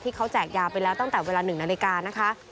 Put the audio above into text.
เขาแจกยาไปแล้วตั้งแต่เวลา๑นาฬิกานะคะ